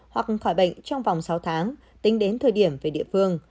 hoặc khỏi bệnh trong vòng sáu tháng tính đến thời điểm về địa phương